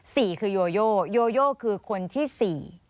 สี่คือโยโยโยคือคนที่สี่